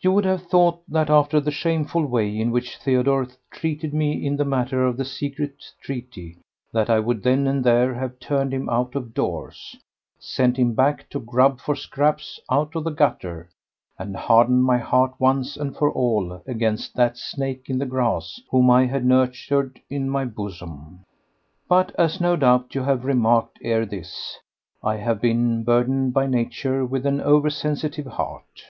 You would have thought that after the shameful way in which Theodore treated me in the matter of the secret treaty that I would then and there have turned him out of doors, sent him back to grub for scraps out of the gutter, and hardened my heart once and for all against that snake in the grass whom I had nurtured in my bosom. But, as no doubt you have remarked ere this, I have been burdened by Nature with an over sensitive heart.